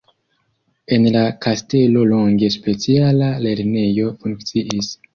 En la kastelo longe speciala lernejo funkciis.